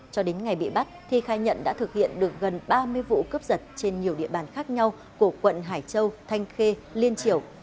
cho đến ngày bị bắt thi khai nhận đã thực hiện được gần ba mươi vụ cướp giật trên nhiều địa bàn khác nhau của quận hải châu thanh khê liên triều